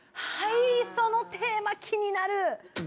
はいそのテーマ気になる！